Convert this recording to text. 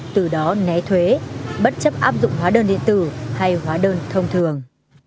từ đó né thuế bất chấp áp dụng hóa đơn điện tử hay hóa đơn thông thường